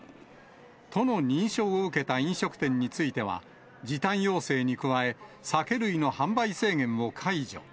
都の認証を受けた飲食店については、時短要請に加え、酒類の販売制限を解除。